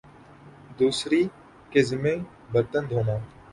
دوسری کے ذمہ برتن دھونا